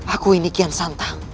aku ini kian santang